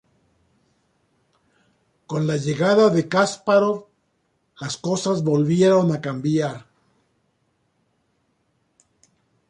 Con la llegada de Kaspárov, las cosas volvieron a cambiar.